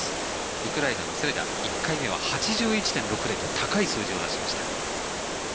ウクライナのセレダ１回目は８１．６０と高い数字を出しました。